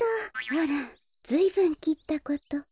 あらずいぶんきったこと。